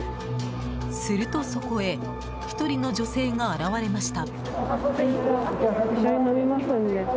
すると、そこへ１人の女性が現れました。